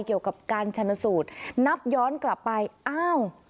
เกี่ยวกับการชนสูตรนับย้อนกลับไปอ้าว